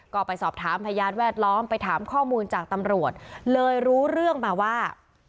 ก็ไปสอบถามพยานแวดล้อมไปถามข้อมูลจากตำรวจเลยรู้เรื่องมาว่า